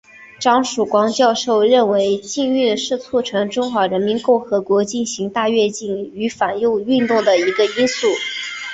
张曙光教授认为禁运是促成中华人民共和国进行大跃进与反右运动的一个因素。